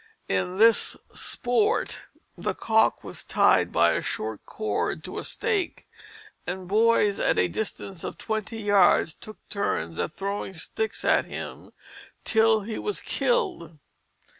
In this sport the cock was tied by a short cord to a stake, and boys at a distance of twenty yards took turns at throwing sticks at him till he was killed.